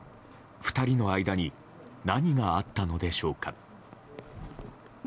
２人の間に何があったのでしょうか。